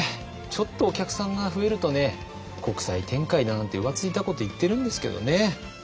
ちょっとお客さんが増えるとね国際展開だなんて浮ついたこと言ってるんですけどね。